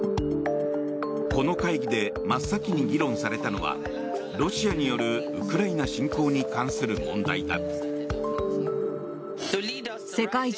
この会議で真っ先に議論されたのはロシアによるウクライナ侵攻に関する問題だ。